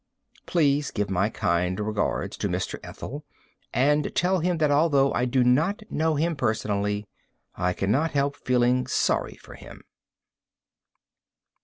Please give my kind regards to Mr. Ethel, and tell him that although I do not know him personally, I cannot help feeling sorry for him.